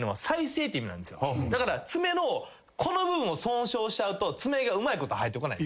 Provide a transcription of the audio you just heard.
だから爪のこの部分を損傷しちゃうと爪がうまいこと生えてこない。